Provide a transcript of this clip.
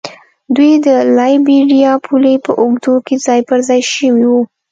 دوی د لایبیریا پولې په اوږدو کې ځای پر ځای شوي وو.